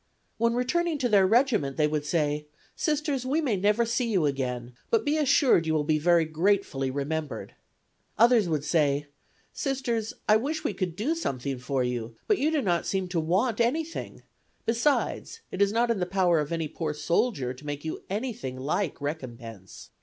When returning to their regiment they would say: "Sisters, we may never see you again, but be assured you will be very gratefully remembered." Others would say: "Sisters, I wish we could do something for you, but you do not seem to want anything; besides, it is not in the power of any poor soldier to make you anything like recompense.